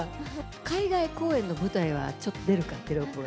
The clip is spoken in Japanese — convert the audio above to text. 海外公演の舞台は、ちょっと出るか、テロップが。